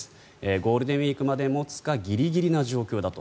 ゴールデンウィークまで持つかギリギリな状況だと。